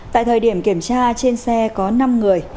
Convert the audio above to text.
tại thời điểm kiểm tra trên xe có năm người